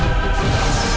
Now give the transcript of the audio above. aku akan menang